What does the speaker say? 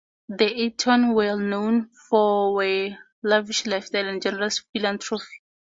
The Eatons were well-known for their lavish lifestyle and generous philanthropy.